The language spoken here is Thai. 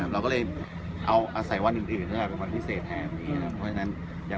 เราก็เลยเอาอาศัยวันอื่นเป็นความเป็นวันพิเศษแทบ